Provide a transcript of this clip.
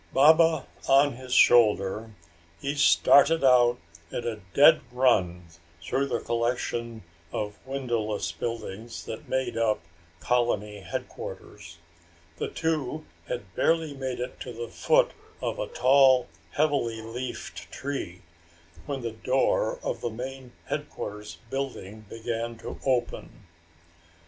Baba on his shoulder, he started out at a dead run through the collection of windowless buildings that made up colony headquarters. The two had barely made it to the foot of a tall heavily leafed tree when the door of the main headquarters building began to open.